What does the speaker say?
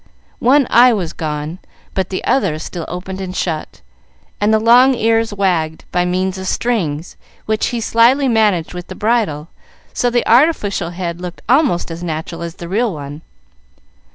One eye was gone, but the other still opened and shut, and the long ears wagged by means of strings, which he slyly managed with the bridle, so the artificial head looked almost as natural as the real one.